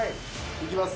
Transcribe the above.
いきます